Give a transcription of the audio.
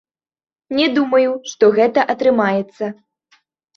Не думаю, што гэта атрымаецца.